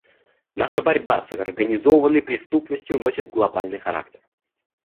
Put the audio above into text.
Наша борьба с организованной преступностью носит глобальный характер.